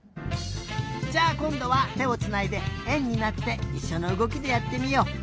じゃあこんどはてをつないでえんになっていっしょのうごきでやってみよう。